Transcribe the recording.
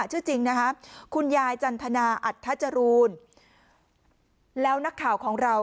ชื่อจริงนะคะคุณยายจันทนาอัธจรูนแล้วนักข่าวของเรา